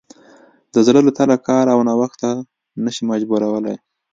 د زړه له تله کار او نوښت ته نه شي مجبورولی.